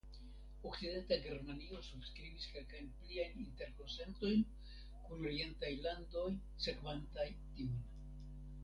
Okcidenta Germanio subskribis kelkajn pliajn interkonsentojn kun orientaj landoj sekvantaj tiujn.